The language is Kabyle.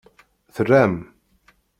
Terram.